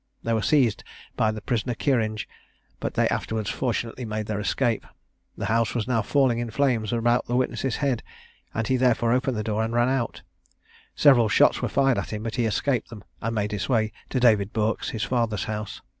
They were seized by the prisoner Kearinge; but they afterwards fortunately made their escape. The house was now falling in flames about the witness's head, and he therefore opened the door and ran out: several shots were fired at him, but he escaped them, and made his way to David Bourke's, his father's house.